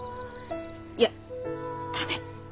いや駄目。